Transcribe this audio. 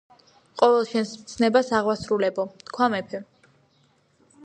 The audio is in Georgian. ყოველ შენს მცნებას აღვასრულებო თქვა მეფემ.